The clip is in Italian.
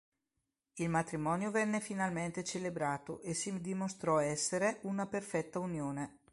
Il matrimonio venne finalmente celebrato e si dimostrò essere una perfetta unione.